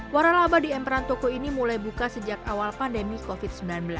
waralaba di emperan toko ini mulai buka sejak awal pandemi covid sembilan belas